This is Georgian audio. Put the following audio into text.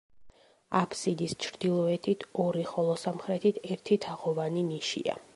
აბსიდის ჩრდილოეთით ორი, ხოლო სამხრეთით ერთი თაღოვანი ნიშია.